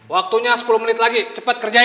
waktunya sepuluh menit lagi cepet kerjain